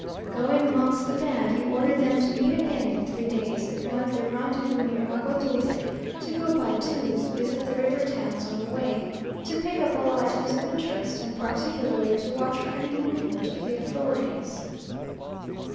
Going amongst the band, he ordered them to meet again in three days at one of their rendezvous near Agua Dulce; to go by twos, visit the river towns on the way, to pick up all items of interest, and particularly to watch for any movement of the authorities.